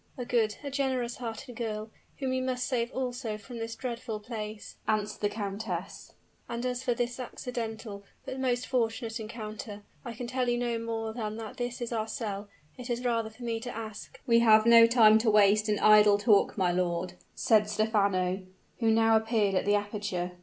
"A good a generous hearted girl, whom you must save also from this dreadful place," answered the countess. "And as for this accidental, but most fortunate encounter, I can tell you no more than that this is our cell. It is rather for me to ask " "We have no time to waste in idle talk, my lord," said Stephano, who now appeared at the aperture.